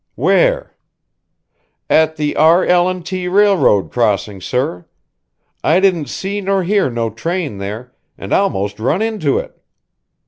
"Where?" "At the R.L. and T. railroad crossing, sir. I didn't see nor hear no train there, and almost run into it.